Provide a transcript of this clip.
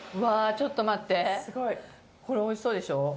ちょっと待ってこれおいしそうでしょ